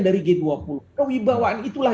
dari g dua puluh kewibawaan itulah